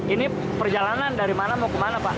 ini perjalanan dari mana mau ke mana pak